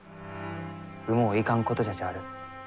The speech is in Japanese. もういかんことじゃちある。